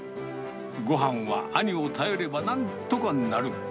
ごはんは兄を頼ればなんとかなる。